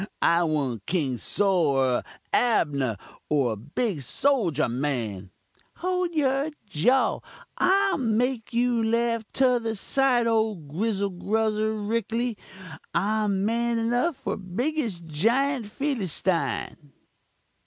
I want King Sol or Abnah, or a big soljur man ' "'Hole your jaw I'll make you laugh tother side, ole grizzle gruzzle, 'rectly I'm man enough for biggust jiunt Fillystine.'